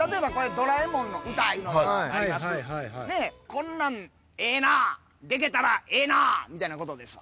こんなんええなでけたらええなみたいなことですわ。